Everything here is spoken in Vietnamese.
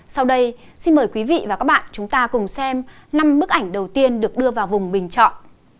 sau đây xin mời quý vị và các bạn chúng ta cùng xem năm bức ảnh đầu tiên được đưa vào vùng bình chọn